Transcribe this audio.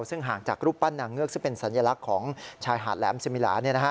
ซึ่งห่างจากรูปปั้นนางเงือกซึ่งเป็นสัญลักษณ์ของชายหาดแหลมสิมิลา